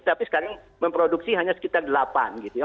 tapi sekarang memproduksi hanya sekitar delapan gitu ya